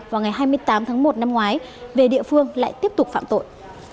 vào ngày hai mươi tám tháng một năm ngoái về địa phương lại tiếp tục phạm tội